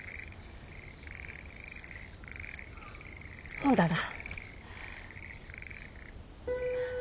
ほんだら。